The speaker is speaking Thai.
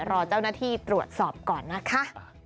รอเจ้าหน้าที่ตรวจสอบก่อนนะคะ